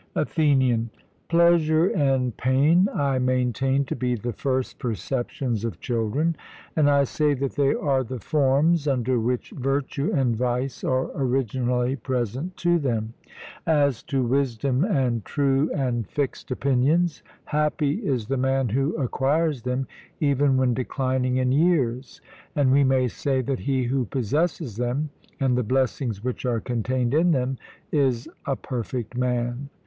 ATHENIAN: Pleasure and pain I maintain to be the first perceptions of children, and I say that they are the forms under which virtue and vice are originally present to them. As to wisdom and true and fixed opinions, happy is the man who acquires them, even when declining in years; and we may say that he who possesses them, and the blessings which are contained in them, is a perfect man.